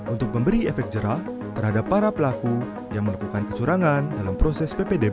untuk memberi efek jerah terhadap para pelaku yang melakukan kecurangan dalam proses ppdb